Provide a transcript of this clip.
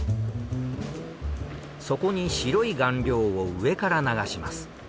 そこに白い顔料を上から流します。